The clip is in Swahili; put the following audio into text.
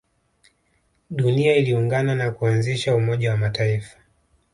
dunia iliungana na kuanzisha umoja wa mataifa